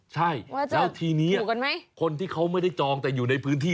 ใช่แล้วทีนี้คนที่เขาไม่ได้จองแต่อยู่ในพื้นที่